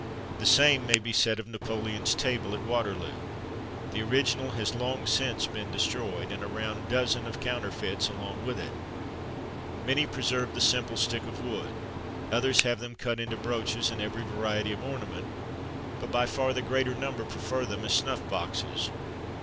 The same may be said of Napoleon's table at Waterloo. The original has long since been destroyed, and a round dozen of counterfeits along with it. Many preserve the simple stick of wood; others have them cut into brooches and every variety of ornament; but by far the greater number prefer them as snuff boxes.